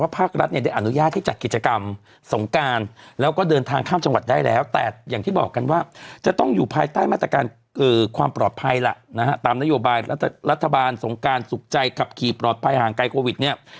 ภายใต้มาตรการความปลอดภัยล่ะนะฮะตามนโยบายรัฐบาลสงการสุขใจกับขี่ปลอดภัยห่างไกลโควิดเนี่ย